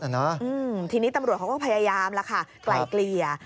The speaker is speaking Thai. หื้มทีนี้ตำรวจเขาก็พยายามนะคะไกลเกลี่ย